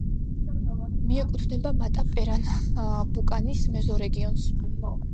მიეკუთვნება მატა-პერნამბუკანის მეზორეგიონს.